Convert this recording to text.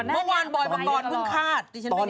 เมื่อวานบ่อยบ่อยพึ่งคาด